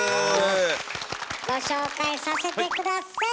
ご紹介させて下さい！